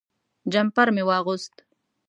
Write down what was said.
جمپر مې واغوست.